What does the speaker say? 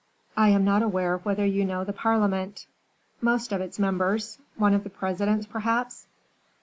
"I am not aware whether you know the parliament." "Most of its members. One of the presidents, perhaps?"